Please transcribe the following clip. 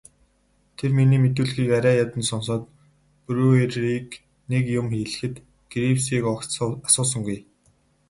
Тэр миний мэдүүлгийг арай ядан сонсоод Бруерыг нэг юм хэлэхэд Гривсыг огт асуусангүй.